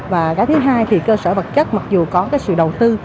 và cái thứ hai thì cơ sở vật chất mặc dù có cái sự đầu tư